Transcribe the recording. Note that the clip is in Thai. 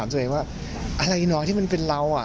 อะไรน้อยที่มันเป็นเรา